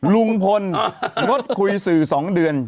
ลุงพลงดคุยสื่อ๒เดือน